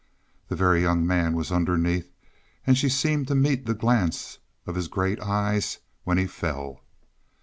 The Very Young Man was underneath, and she seemed to meet the glance of his great eyes when he fell.